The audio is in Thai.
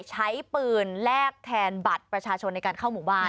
ใช้ปืนแลกแทนบัตรประชาชนในการเข้าหมู่บ้าน